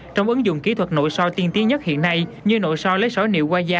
trong ứng dụng kỹ thuật nội sôi tiên tiến nhất hiện nay như nội sôi lấy sỏi nịu qua da